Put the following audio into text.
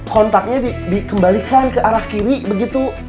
kontaknya dikembalikan ke arah kiri begitu